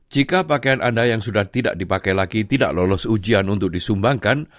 jika pakaian anda yang sudah tidak dipakai lagi tidak lolos ujian untuk disumbangkan